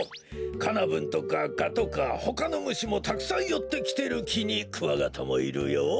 カナブンとかガとかほかのむしもたくさんよってきてるきにクワガタもいるよ。